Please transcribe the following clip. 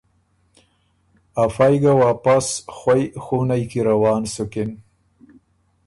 افئ ګۀ واپس خوئ ځُونئ کی روان سُکِن